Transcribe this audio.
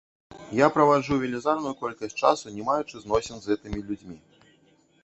Я праводжу велізарная колькасць часу, не маючы зносіны з гэтымі людзьмі.